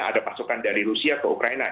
ada pasokan dari rusia ke ukraina